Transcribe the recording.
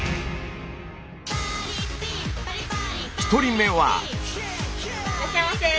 １人目は。